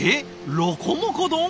ロコモコ丼？